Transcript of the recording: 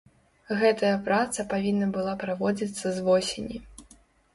Гэтая праца павінна была праводзіцца з восені.